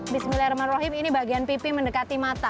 bismillahirrahmanirrahim ini bagian pipi mendekati mata